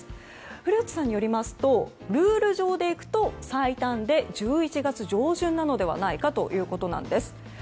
古内さんによりますとルール上でいくと最短で１１月上旬なのではないかということなんです。